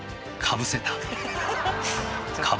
かぶせた。